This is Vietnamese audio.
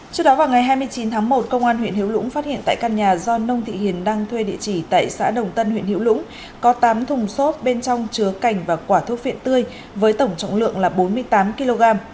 trước đó vào ngày hai mươi chín tháng một công an huyện hiểu lũng phát hiện tại căn nhà do nông thị hiền đang thuê địa chỉ tại xã đồng tân huyện hữu lũng có tám thùng xốp bên trong chứa cành và quả thuốc phiện tươi với tổng trọng lượng là bốn mươi tám kg